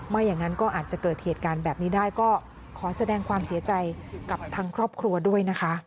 อย่างนั้นก็อาจจะเกิดเหตุการณ์แบบนี้ได้ก็ขอแสดงความเสียใจกับทางครอบครัวด้วยนะคะ